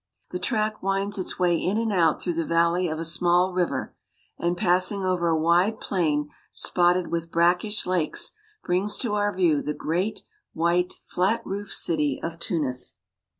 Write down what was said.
The track "... Arab women bring fresh winds its way in and out through '*'■••■" the vaHey of a small river, and passing over a wide plain spotted with brackish lakes brings to our view the great, white, flat roofed city of Tunis.